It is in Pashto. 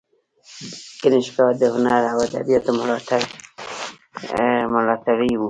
کنیشکا د هنر او ادبیاتو ملاتړی و